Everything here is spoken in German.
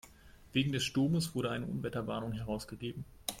Wegen des Sturmes wurde eine Unwetterwarnung herausgegeben.